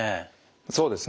そうですね。